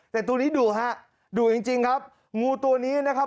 แต่ตัวนี้ดุฮะดุจริงจริงครับงูตัวนี้นะครับ